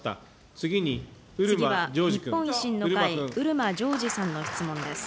次に、次は日本維新の会、漆間譲司さんの質問です。